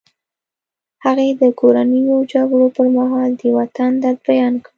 هغې د کورنیو جګړو پر مهال د وطن درد بیان کړ